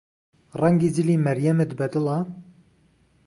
ڕەنگی جلی مەریەمت بەدڵە؟